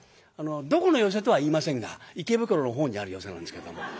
どこの寄席とは言いませんが池袋のほうにある寄席なんですけども。